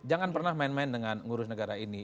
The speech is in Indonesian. jangan pernah main main dengan ngurus negara ini